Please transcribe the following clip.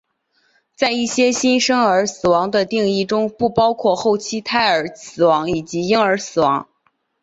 在一些新生儿死亡的定义中不包括后期胎儿死亡以及婴儿死亡。